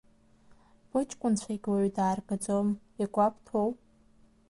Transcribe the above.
Быҷкәынцәагьы уаҩы дааргаӡом, игәабҭоу?